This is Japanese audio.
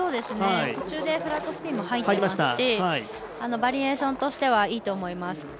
途中でフラットスピンも入ってますしバリエーションとしてはいいと思います。